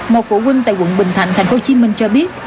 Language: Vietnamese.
một phụ huynh tại quận bình thạnh tp hcm cho biết